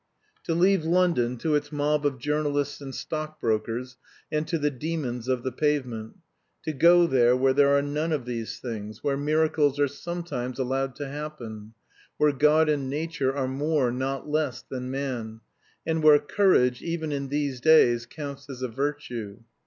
To leave London to its mob of journalists and stock brokers, and to the demons of the pavement; to go there where there are none of these things, where miracles are sometimes allowed to happen; where God and Nature are more, not less, than man, and where courage, even in these days, counts as a virtue.